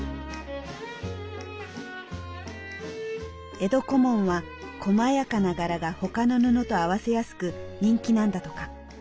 江戸小紋はこまやかな柄が他の布と合わせやすく人気なんだとか。